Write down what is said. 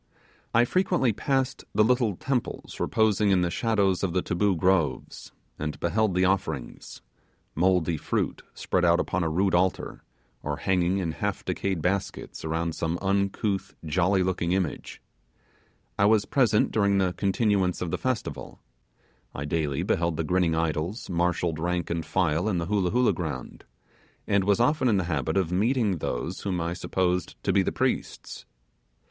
I frequently passed the little temples reposing in the shadows of the taboo groves and beheld the offerings mouldy fruit spread out upon a rude altar, or hanging in half decayed baskets around some uncouth jolly looking image; I was present during the continuance of the festival; I daily beheld the grinning idols marshalled rank and file in the Hoolah Hoolah ground, and was often in the habit of meeting those whom I supposed to be the priests.